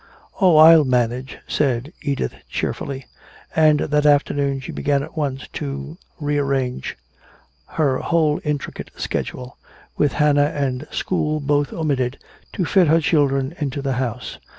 "Oh, I'll manage," said Edith cheerfully. And that afternoon she began at once to rearrange her whole intricate schedule, with Hannah and school both omitted, to fit her children into the house.